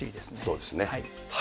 そうですね。